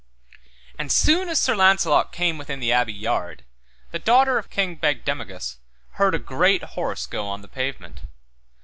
And soon as Sir Launcelot came within the abbey yard, the daughter of King Bagdemagus heard a great horse go on the pavement.